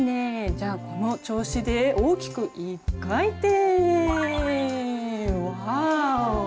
じゃあこの調子で大きく一回転。わお。